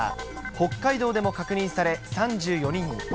北海道でも確認され、３４人に。